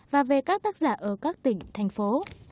và về các tác giả ở các tỉnh thành phố